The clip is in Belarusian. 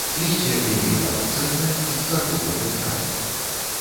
Лісце лінейна-ланцэтнае, з загорнутым краем.